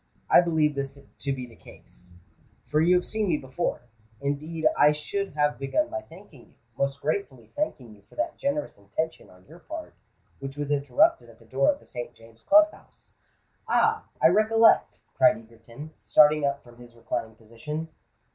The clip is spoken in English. I believe this to be the case—for you have seen me before. Indeed I should have begun by thanking you—most gratefully thanking you for that generous intention on your part which was interrupted at the door of the St. James's Club House——" "Ah! I recollect!" cried Egerton, starting up from his reclining position.